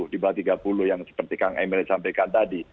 di bawah tiga puluh yang seperti kang emil sampaikan tadi